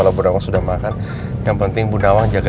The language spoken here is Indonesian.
babe emang harus banget ya